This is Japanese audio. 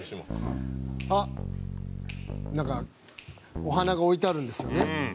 「あっ」なんかお花が置いてあるんですよね。